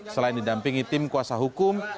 selain didampingi tim kuasa hukum